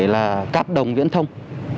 cụ thể là cắt đồng viễn thông